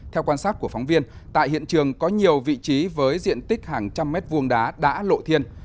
theo quan sát của phóng viên tại hiện trường có nhiều vị trí với diện tích hàng trăm mét vuông đá đã lộ thiên